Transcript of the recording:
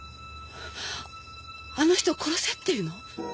あの人を殺せっていうの？